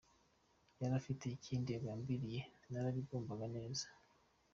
Yari afite ikindi agambiriye, narabibonaga neza.